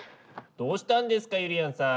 どうしたんですかゆりやんさん？